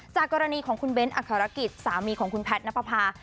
จากกรณีของคุณเบ้นอักษรกิจสามีของคุณแพทย์นับประพา